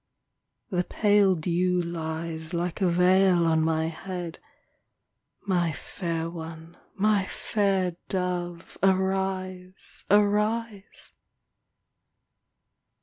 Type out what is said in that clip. The pale dew lies Like a veil on my head. My fair one, my fair dove. Arise, arise